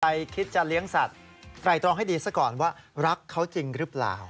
คิดจะเลี้ยงสัตว์ไตรตรองให้ดีซะก่อนว่ารักเขาจริงหรือเปล่า